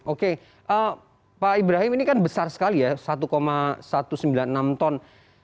oke pak ibrahim ini kan besar sekali ya satu satu ratus sembilan puluh enam ton